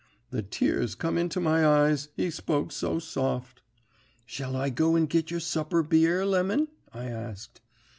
"The tears come into my eyes, he spoke so soft. "'Shall I go and git your supper beer, Lemon?' I asked.